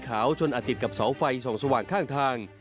อาจติดกับเสาไฟ๒สว่างข้างทาง